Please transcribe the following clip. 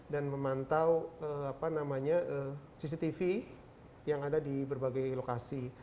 memantau cctv yang ada di berbagai lokasi